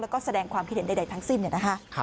และก็แสดงความคิดเห็นใดทั้งสิ้น